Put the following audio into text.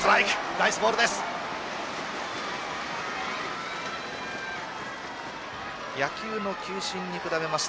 ナイスボールです。